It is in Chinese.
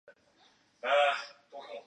属定襄都督府。